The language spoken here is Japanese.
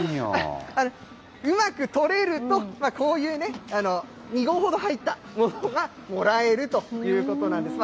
うまく取れると、こういうね、２合ほど入ったものがもらえるということなんです。